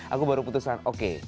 aku baru putusan oke